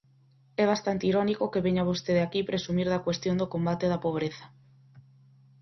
É bastante irónico que veña vostede aquí presumir da cuestión do combate da pobreza.